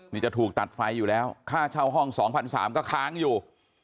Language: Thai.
นี่จะถูกตัดไฟอยู่แล้วค่าเช่าห้อง๒๓๐๐ก็ค้างอยู่